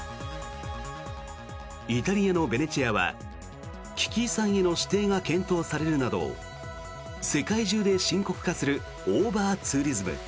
イタリアのベネチアは危機遺産への指定が検討されるなど世界中で深刻化するオーバーツーリズム。